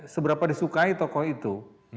seberapa disukai tokoh itu